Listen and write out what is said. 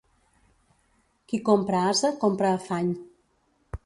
Qui compra ase compra afany.